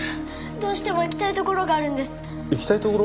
どうしても行きたい所があるんです行きたい所？